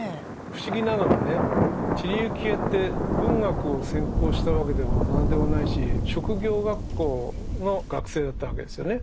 不思議なのはね知里幸恵って文学を専攻したわけでも何でもないし職業学校の学生だったわけですよね。